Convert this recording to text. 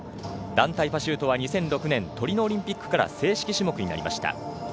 団体パシュートは２００６年トリノオリンピックから正式種目になりました。